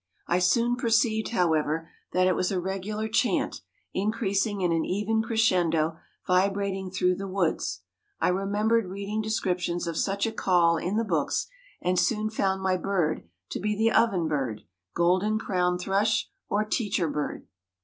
I soon perceived, however, that it was a regular chant, increasing in an even crescendo, vibrating through the woods. I remembered reading descriptions of such a call in the books, and soon found my bird to be the oven bird, golden crowned thrush, or teacher bird.